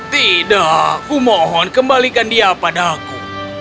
tidak aku mohon kembalikan dia padaku